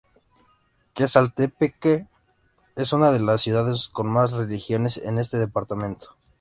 Quezaltepeque es una de las ciudades con mas religiones en este departamento.